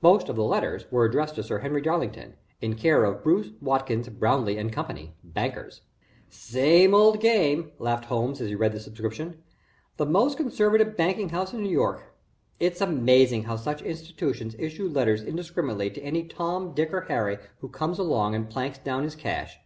Most of the letters were addressed to Sir Henry Darlington, in care of Bruce, Watkins, Brownleigh & Co., bankers. "Same old game," laughed Holmes, as he read the superscription. "The most conservative banking house in New York! It's amazing how such institutions issue letters indiscriminately to any Tom, Dick, or Harry who comes along and planks down his cash.